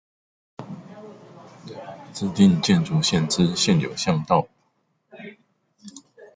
指定建築線之現有巷道